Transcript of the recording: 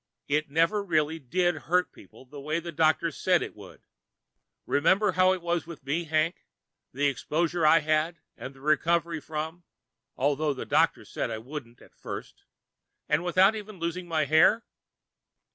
"It never really did hurt people the way the doctors said it would. Remember how it was with me, Hank, the exposure I had and recovered from, although the doctors said I wouldn't at first and without even losing my hair?